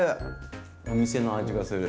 お店の味がする。